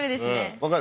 分かる。